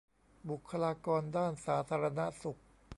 บุคคลากรด้านสาธารณสุข